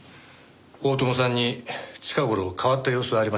大友さんに近頃変わった様子はありませんでしたか？